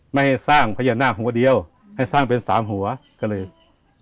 ไม่ให้สร้างพญานาคหัวเดียวให้สร้างเป็นสามหัวก็เลย